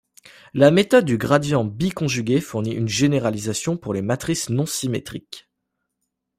La méthode du gradient biconjugué fournit une généralisation pour les matrices non symétriques.